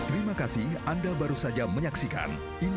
yang menggugah perasaan banyak orang